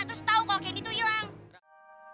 terus tau kalau candy tuh hilang